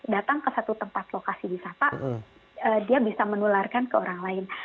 datang ke satu tempat lokasi wisata dia bisa menularkan ke orang lain